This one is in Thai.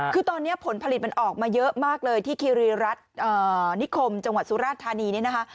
คือตอนนี้ผลผลิตมันออกมาเยอะมากเลยที่คิรีรัฐนิคมจังหวัดสุราชธานีเนี่ยนะคะ